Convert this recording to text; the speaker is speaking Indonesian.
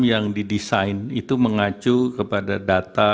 yang didesain itu mengacu kepada data